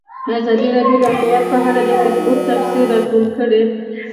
ازادي راډیو د امنیت په اړه د فیسبوک تبصرې راټولې کړي.